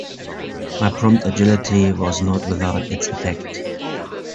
My prompt agility was not without its effect.